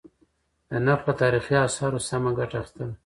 د نرخ له تاريخي آثارو سمه گټه اخيستل: